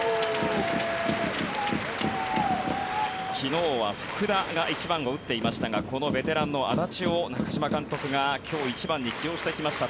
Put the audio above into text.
昨日は福田が１番を打っていましたがこのベテランの安達を中嶋監督が今日、１番に起用してきました。